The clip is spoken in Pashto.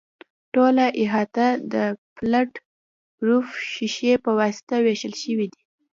ټوله احاطه د بلټ پروف شیشې په واسطه وېشل شوې ده.